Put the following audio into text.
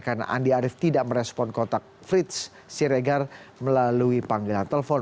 karena andi arief tidak merespon kontak frits siregar melalui panggilan telepon